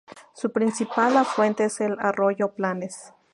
Su principal afluente es el arroyo Planes.